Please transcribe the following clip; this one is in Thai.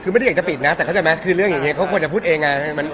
มันเป็นประเด็นสำคัญมากซึ่งสามคนไม่อยากจะพูดเอง